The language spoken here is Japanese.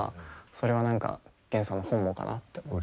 それは源さんの本望かなって思って。